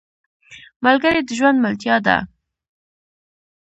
ملګری د ژوند ملتیا ده